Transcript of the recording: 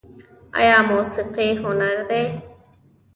آیا موسیقي هنر دی؟